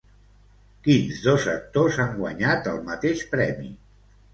Quins dos actors han guanyat el mateix premi?